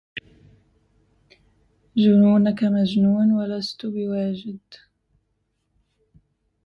جنونك مجنون ولست بواجد